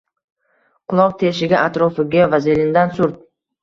Quloq teshigi atrofiga vazelindan surt.